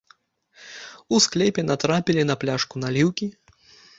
У склепе натрапілі на пляшку наліўкі.